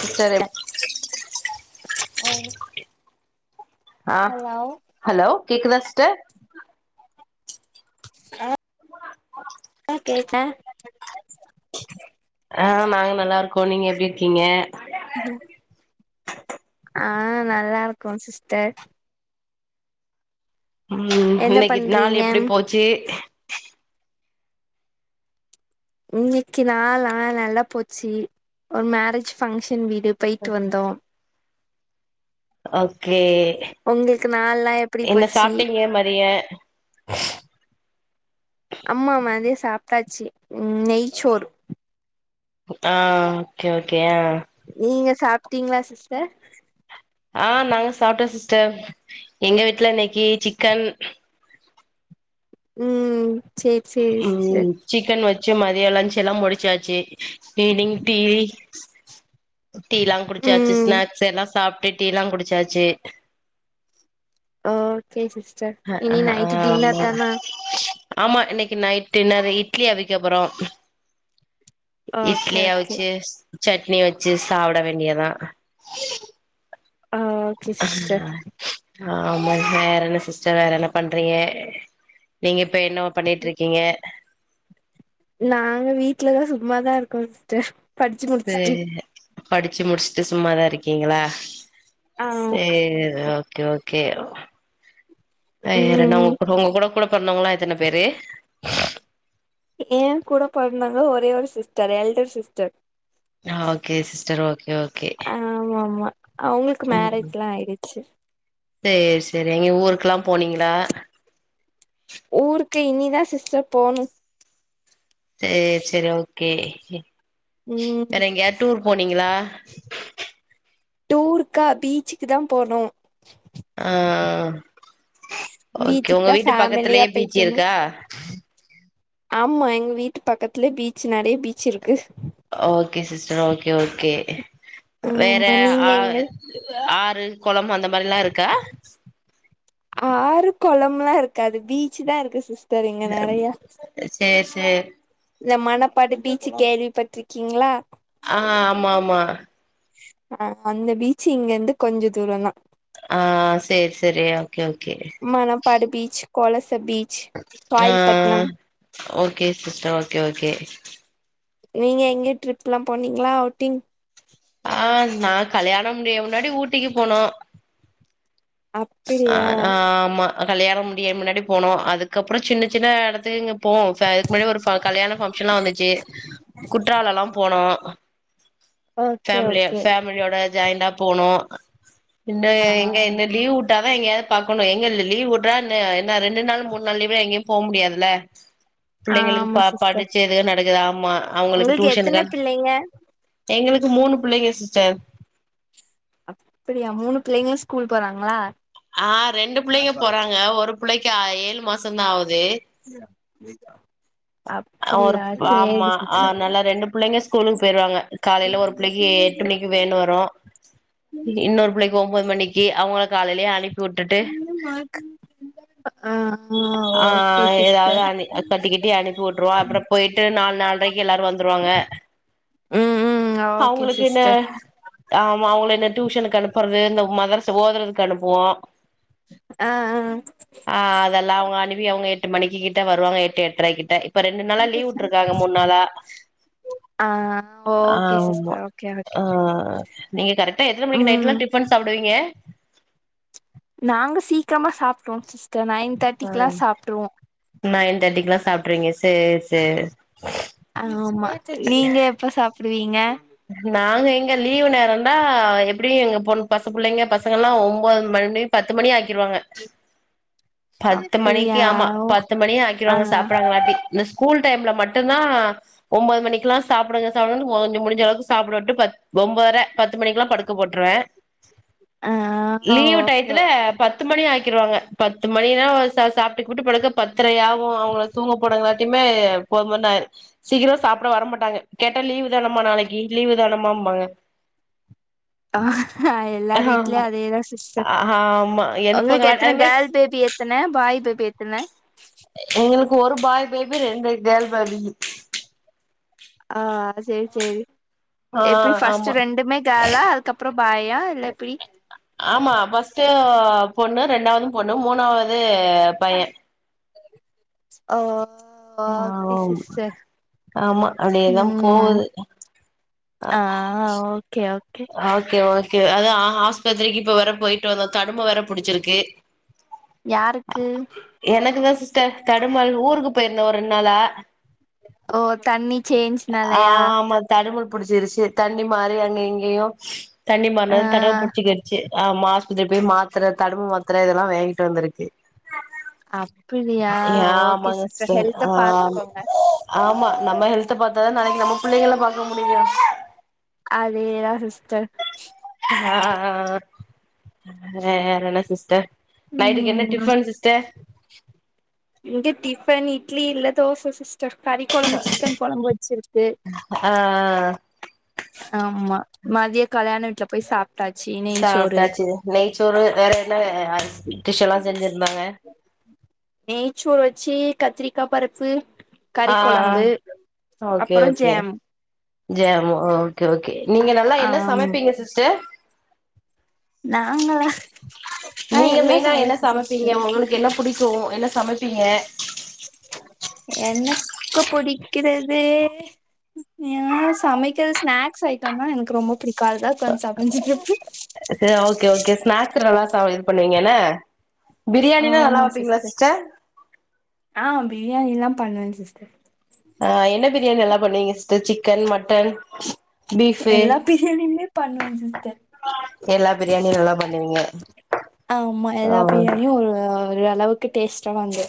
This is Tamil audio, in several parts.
சிஸ்டர் ஆ ஆ ஹலோ கேக்குதா சிஸ்டர் ஆ அ கேட்டே ஆ நாங்க நல்லா இருக்கோ நீங்க எப்டி இருக்கீங்க உ ஆ நல்லா இருக்கோ சிஸ்டர் ம் என்ன இன்னைக்கு நாள் பண்றீங்க எப்டி போச்சு இன்னைக்கு நாள் ஆ நல்லா போச்சு ஒரு மரேஜ் ஃபங்க்ஷ் ஃபம்ளியிட போய்ட்டு வந்தோ ஓகே உங்களுக்கு நாள்லா எப்டி என்ன போச்சு சாப்ட்டீங்க மதிய அமா மதியோ சாப்ட்டாச்சு நெயச்சோறு ஆ ஓகே ஓகே நீங்க சாப்ட்டீங்களா சிஸ்டர் ஆ நாங்க சாப்ட்டோ சிஸ்டர் எங்க வீட்ல இன்னைக்கி சிக்கன் ம் சேர் சேரி சிஸ்டர் ச்சு மதியோ லஞ்ச் எல்லா முடிச்சாச்சு ஈவ்னிங் டீ டீல்லா குடிச்சாச்சு ம் ஸ்நாக்ஸ் எல்லா சாப்ட்டு டீல்லா குடிச்சாச்சு ஓகே சிஸ்டர் ஆ இனி நைட் டின்னர் ஆமா தானா ஆமா இன்னைக்கு நைட் டினர்ரு இட்லி அதிக்கப்பறோ ஓகே இட்லி ஓகே அவிச்சு சட்னி வெச்சு சாப்ட வேண்டியதா ஆ ஓகே சிஸ்டர் ஆமா வேற என்ன சிஸ்டர் வேற என்ன பண்றீங்க நீங்க இப்ப என்னவ பண்ணிட்டு இருக்கீங்க நாங்க வீட்லதா சும்மாதா இருக்கோ சிஸ்டர் படிச்சு முடிச்சுட்டு சேரி படிச்சு முடிச்ட்டு சும்மாதா இருக்கீங்களா ஆ செரி ஓகே ஓ கே இ ரெண்டோ ம் உங்ககூட உங்க கூட கூட பொறந்தவங்களா எத்தன பேரு ஏ கூட பொறந்தவங்க ஒரே ஒரு சிஸ்டர் எல்டர் சிஸ்டர் ஆ ஓகே சிஸ்டர் ஓகே ஓகே ஆ ஆமா ஆமா அவங்களுக்கு ம் மேரேஜ்ல்லா ஆயிடுச்சு சேரி செரிங்க ஊருக்குல்லா போனீங்களா கே இன்னிதா சிஸ்டர் போணு சேரி சேரி ஓகே ம் வேற எங்கயாது டூர் போனீங்களா டூருக்கா பீச்சுக்கு தான் போனோம் ஆஹ் ஓகே பீச்சுக்கு உங்க தா வீட்டு ஃபேமிலியா பக்கத்துலயே பீச்சி போயிட்டு வந்தோ இருக்கா ஆமா எங்க வீட்டு பக்கத்துலே பீச் நிறைய பீச் இருக்கு okay sister okay okay okay வேற ஆமா நீங்க ஆ எங்க ஆறு கொழம்பு அந்த மாதிரில்லா இருக்கா ஆறு குளம் எல்லாம் இருக்காது பீச் தான் இருக்கு சிஸ்டர் இங்க நிறைய சேரி சேரி இந்த மணப்பாடு பீச்சு கேள்வி பட்டுறீக்கிங்களா ஆஹ் ஆமா ஆமா அஹ் அந்த பீச்சு இங்க இருந்து கொஞ்ச தூரம் தான் ஆஹ் சேரி சேரி ஓகே ஓகே மணப்பாடு பீச் கொலச பீச் காயல்பட்னம் ஆஹ் ஓகே சிஸ்டர் ஓகே ஓகே நீங்க எங்க ட்ரிப் எல்லாம் போனீங்களா அவுட்டிங் ஆஹ் நா கல்யாணம் முடிய முன்னாடி ஊட்டிக்கு போனோம் அப்பிடியா அஹ் ஆமா கல்யாணம் முடிய முன்னாடி போனோம் அதுக்கப்புறம் சின்ன சின்ன இடத்துக்கு இங்க இப்போம் இதுக்கு முன்னாடி ஒரு கல்யாண ஃபங்க்ஷன் எல்லாம் வந்துச்சு குற்றாலம் எல்லாம் போனோம் ஓகே ஃபேமிலியா ஓகே ஃபேமிலியோட ஜாயிண்டா போனோ இன்ன ஆ எங்க என்ன லீவ் விட்ட தா எங்கேயாவது பாக்கணும் எங்க லீவ் விடுறா என்ன ரெண்டு நாள் மூணு நாள் லீவுல எங்கேயும் போ முடியாதுல பிள்ளைங்களுக்கு ஆமா பா சிஸ்டர் படிச்சு எதுக்க நடக்குதா ஆமா அவங்களுக்கு உங்களுக்கு டியூஷனுக்கு எத்தன அனுப் பிள்ளைங்க எங்களுக்கு மூணு பிள்ளைங்க சிஸ்டர் அப்படியா மூணு பிள்ளைங்களும் ஸ்கூல் போறாங்களா ஆஹ் ரெண்டு பிள்ளைங்க போறாங்க ஒரு பிள்ளைக்கு ஏழு மாசம் தான் ஆகுது [unintelligible] ஒரு அப்பிடியா ஆமா சேரி ஆஹ் சிஸ்டர் நல்லா ரெண்டு பிள்ளைங்க ஸ்கூலுக்கு போயிருவாங்க காலையில ஒரு பிள்ளைக்கு எட்டு மணிக்கு வேன் வரும் இன்னொரு பிள்ளைக்கு ஒன்பது மணிக்கு அவுங்க காலையில அப்டியே அனுப்பி விட்டுட்டு ஆ ஆ ஓகே ஆஹ் ஏதாவது சிஸ்டர் அனு கட்டிக்கிட்டி அனுப்பி விட்டுருவோம் அப்புறம் போயிட்டு நாலு நால்ரைக்கு எல்லாரும் வந்து வருவாங்க உம் உம் அவுங்களுக்கு என்ன ஆமா அவுங்களு இந்த டியூஷனுக்கு அனுப்புறது இந்த மதர்ஸ ஓதுறதுக்கு அனுப்புவோ ஆ ஆ ஆ அதெல்லா அவுங்க அனிப் பி அவுங்க எட்டு மணிக்கி கிட்ட வருவாங்க எட்டு எட்ரை கிட்ட இப்ப ரெண்டு நாளா லீவு விட்ருக்காங்க மூணு நாளா ஆ ஓகே ஆமா சிஸ்டர் ஓகே ஓகே ஆ நீங்க கரெக்டா எத்தன மணிக்கி நைட்லா ம் டிஃபன் சாப்டுவீங்க எ நாங்க சீக்கிரமா சாப்ட்ருவோ சிஸ்டர் நைன் ஆ தேட்டிக்குல்லா சாப்ட்ருவோ நைன் தேர்ட்டிக்குலா சாப்ட்ருவீங்க சேர் சேரி ஆமா நீங்க எப்ப சாப்டுவீங்க நாங்க எங்க லீவு நேரெல்லா எப்படியும் எங்க பொண் பசு புள்ளைங்க பசங்கல்லா ஒம்பது மண் ணி பத்து மணி ஆக்கிருவாங்க பத்து மணிக்கு அப்படியா ஆமா பத்து மணி ஆ ஆக்கிருவாங்க சாப்டுறங்காட்டி இந்த ஸ்கூல் டைம்ல மட்டும் தா ஒம்பது மணிக்குலா சாப்புடுங்க சாப்டுங்க [unintelligible] முடுஞ்ச அளவுக் சாப்டவிட்டு பத் ஒம்பதர பத்து மணிக்குலா படுக்க போட்ருவே ஆ லீவு ஓகே டயத்துல ஓகே பத்து மணி ஆ க்கிருவாங்க பத்து மணினா ச சாப்ட்டுகீப்ட்டு படுக்க பத்தரையாவு அவுங்ள தூங்கபோடங்குலாற டிமே போதுபோதுன் ஆயிரு சீக்கிர சாப்ட வர மாட்டாங்க கேட்டா லீவு தானம்மா நாளைக் கி லீவு தானமாம்பாங்க ஆ எல்லார் வீட்லயு அதேதா சிஸ்டர் ஆமா உங்களுக்கு எழுப்புங்களா அதே எத்தன மாரி கேர்ள் பேபி எத்தன பாய் பேபி எத்தன எங்களுக்கு ஒரு பாய் பேபி ரெண்டு கேர்ள் பேபி ஆ சேரி சேரி ஆ எப்பி ஆமா ஃபஸ்ட்டு ரெண்டுமே கேர்ளா அதுக்கப்றோ பாயா இல்ல எப்பிடி ஆமா ஃபஸ்ட்டு பொண்ணு ரெண்டாவுது பொண்ணு மூணாவுது பைய ஓ ஓகே ஆம் சிஸ்டர் ஆமா அப்டியேதா ம் போகுது ஆ ஓகே ஓகே க்கு அதா ஆ ஆஸ்பத்திரிக்கி ப்ப வேற போய்ட்டு வந்தோ தடும வேற புடுச்சிருக்கு யாருக்கு எனக்குதா சிஸ் ச தடுமாற ஊருக்கு போய்ருந்தோ ஒரு ரெண்டு நாளா ஓ தண்ணி சேன்ஞ்னாலயா புடுச்சிருச்சு தண்ணி மாறி அங்க இங்கயு தண்ணி ஆ மாறுனது தடம் புடிச்சிகிச்சு ஆமா ஆஸ் இத போய் மாத்தர தடும மாத்தர இதெல்லா வாங்கிட்டு வந்துருக்கு அப்பிடியா ஓகே சிஸ்டர் ஹெல்த்த பாத்துக்கோங்க ஆமா நம்ம ஹெல்த்த பாத்தாதா நாளைக்கி நம்ப பிள்ளைகள பாக்க முடியு அதேதா சிஸ்டர் ஆ வேறென்ன சிஸ்டர் நைட்டுக்கு என்ன ம் டிஃபன் சிஸ்டர் இங்க டிஃபன் இட்லி இல்ல தோச சிஸ் டர் கறி கொழம்பு சிக்கன் கொழம்பு வச்சுருக்கு ஆ ஆமா மதிய கல்யாண வீட்ல போய் சாப் சாப்ட்டாச்சு நெய்ச்சோறு வேற என்ன அ நெய்ச்சோறு வச்சு கத்திரிக்கா பருப்பு கறி ஆ கொழம்பு ஓகே அப்புற okay jam jam okay okay நீங்க நல்லா என்ன ஆம் சமைப்பிங்க சிஸ்டர் நாங்களா நா நீங்க எல்லா மெய்னா என்ன சமைப்பே சிஸ்டர் சமப்பிங்க உங்களுக் என்ன புடிக்கு என்ன சமப்பிங்க எனக்கு புடிக்கிறது ஏ சமைக்கிறது ஸ்நாக்ஸ் ஐட்டந்தா எனக்கு ரொம்ப பிடிக்கு அதுதா உக்காந்து சமஞ்சுட்ருப்ப சரி ஓகே ஓகே ஸ்நாக்ஸ் நல்லா ச இது பண்ணுவிங்கன ஆமா சிஸ்டர் ஆ பிரியாணிலா பண்ணுவே சிஸ்டர் ஆ என்ன பிரியாணி நல்லா பண்ணுவிங்க சிஸ்டர் சிக்கன் மட்டன் பீஃபு எல்லா பிரியாணியுமே பண்ணுவே சிஸ்டர் எல்லா பிரியாணியு நல்லா பண்ணுவீங்க ஆமா ஓ எல்லா பிரியாணியு ஒரு ஓரளவுக்கு டேஸ்ட்டா வந்துரு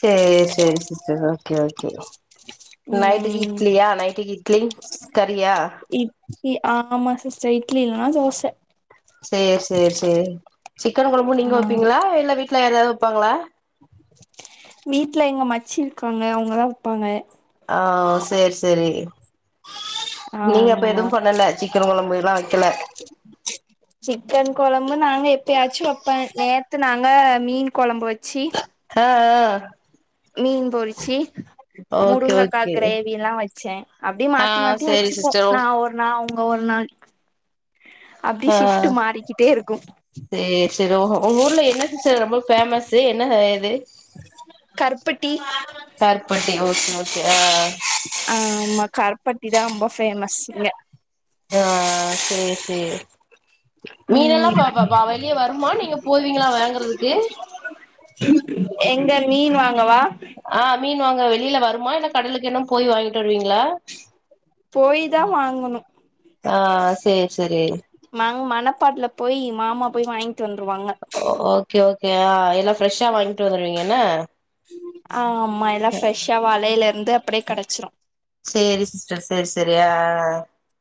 சேரி சேரி சிஸ்டர் ஓகே ஓகே [inaudible] நைட்டுக்கு இட்லியா நைட்டுக்கு இட்லி கறியா இட்லி ஆமா சிஸ்டர் இட்லி இல்னா தோச சேர் சேர் சேரி சிக்கன் கொழம்பு ஆ நீங்க வெப்பிங்ளா இல்ல வீட்ல யாரையாவுது வெப்பாங்ளா வீட்ல எங்க மச்சி இருக்காங்க அவுங்கதா வப்பாங்க ஆ சேர் சேரி நீங்க அப்ப ஆமா எதும் பண்ணல சிக்கன் கொழம்பு எல்லா வெக்கல சிக்கன் கொழம்பு நாங்க எப்பயாச்சி வெப்பே நேத்து நாங்க மீன் கொழம்பு வெச்சி அ அ மீன் பொறிச்சி ஓகே முருங்கக்கா ஓகே கிரேவிலா வச்சே அப்டி ஆ மாத்தி மாத்தி வச் சேரி வச்சிப்போ சிஸ்டர் நா ஒரு நாள் அவுங்க ஒரு நாள் அப்டி ஆ ஷிஃப்ட் மாறிகிட்டே இருக்கு சேரி சேரி ஓ உங்க ஊர்ல என்ன சிஸ்டர் ரொம்ப பேமஸ் என்ன இது கருப்பட்டி கருப்பட்டி ஓகே ஓகே ஆ ஆ பட்டி தா ரொம்ப ஃபேமஸ் இங்க ஆ சேரி சேரி மீன்னெல்லா ம் பா பா பா வெளியே வருமா நீங்க போவீங்களா வாங்குறதுக்கு எங்க மீன் வாங்கவா ஆ மீன் வாங்க வெளியில வருமா இல்ல கடலுக்கு என்ன போய் வாங்கிட்டு வருவீங்களா போய் தா வாங்கணு ஆ சேரி சேரி நாங் மணப்பாட்டுல போய் மாமா போய் வாங்கிட்டு வந்துருவாங்க ஓகே ஓகே அ எல்லா ஃப்ரெஷ்ஷா வாங்கிட்டு வந்துருவீங்கன்னா ஆமா எல்லா ஃப்ரெஷ்ஷா வலையில இருந்து அப்டியே கெடைச்சிரு தெரியா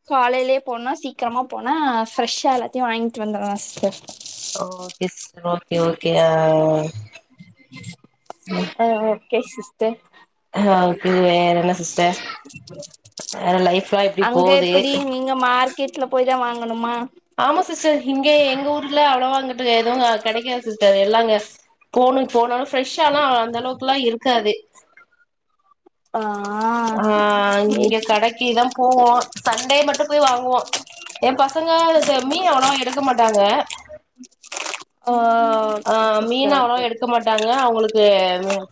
காலைலேயே போனா சீக்கிரமா போனா ஃப்ரெஷ்ஷா எல்லாத்தையு வாங்கிட்டு வந்துடுலா sister okay sister okay okay ஆ ம் கே சிஸ்டர் ஆ ஒகே வேற என்ன சிஸ் டர் வேற லைஃப்லா எப்டி போது ஸ்ட்ரீட்ல போய் தா வாங்கணுமா ஆமா து எதுவு அங் கெடைக்காது சிஸ்டர் எல்லா அங்க போனு போனுன்னா ஃப்ரஷ்ஷாலா அந்த அளவுக்குல்லா இரு காது ஆ அ இங்க கடைக்கிதா போவோ சண்டே மட்டும் போய் வாங்குவோ எயா பசங்க அவ்ளச மீன் அவ்ளோவா எடுக்க மாட்டாங்க அ ஆ மீன் அவ்ளவா எடுக்க மாட்டாங்க அவுங்களுக்கு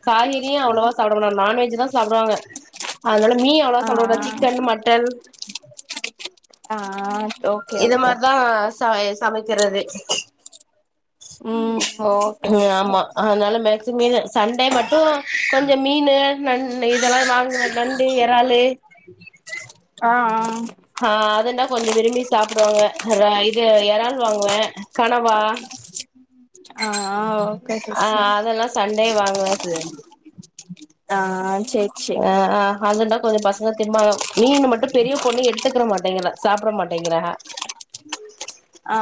காய்கறியு அவ்ளவா சாப்டாமாட்டா நான்வெஜ் தா சாப்புடுவாங்க அதனால மீன் அவ்ளாவா ஆ சாப்புடமாட்டா சிக்கன் மட்டன் ஆ ஓகே இத ஓகே மாரிதா ச சமைக்கறது ம் ஓகே ம் சிஸ்டர் ஆமா அதனால மேக்ஸிமம் முனு சண்டே மட்டு கொஞ்சோ மீனு நண் இத ல்லா வாங்குவே நண்டு எறாலு அஹ ஆ அதனா கொஞ்சோ விரும்பி சாப்புடுவாங்க றா இது எறால் வாங்குவே கனவா அ ஆ ஓகே ஆ சிஸ்டர் அதெல்லா சண்டே வாங்குவே சி ஆ சேரி அ சேரி ஆ அதுன்னா கொஞ்சோ பசங்க திம்பாங்க மீன் மட்டு பெரிய பொண்ணு எடுத்துக்கறமாட்டேங்கறா சாப்பிட மாட்டேங்கிறா ஆ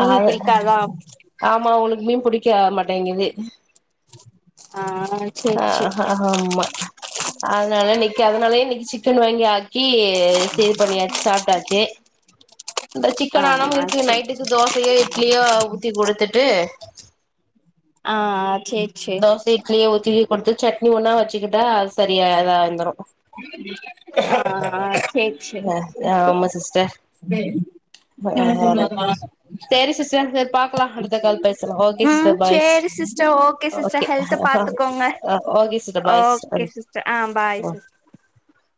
மீன் அது பிடிக்காதா ஆமா உனக் மீன் புடிக்க மாட்டேங்கிது ஆ அ சேரி சேரி ஹா அம்மா அதனால இன்னைக்கு அதனாலயே இன்னைக்கு சிக்கன் வாங்கி ஆக்கி சேல் பண்ணியாச்சி சாப்டாச்சி அ ஆ சேரி நைட்டுக்கு தோசையோ இட்லியோ ஊத்தி குடுத்துட்டு ஆ அத் தோசே இட்லியே ஊத்தி கொடுத்து சட்னி ஒன்னா வச்சுக்கிட்டா அது சரியா அதா வந்துரு ஆ ஆ சேர் சேர் ஆமா சிஸ்டர் தென் சேரி சிஸ்டர் சேரி பாக்கலா அடுத்த கால் பேசலா ஓகே ஆ சிஸ்டர் பாய் சேரி ஸு ஸ்டர் ஓகே சிஸ்டர் ஹெல்த்த பாத்துக்கோங்க okay sister bye okay sister ஆ பாய் சிஸ் [inaudible]